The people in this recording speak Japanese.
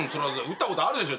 打ったことあるでしょ？